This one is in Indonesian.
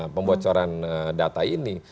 pembocoran data ini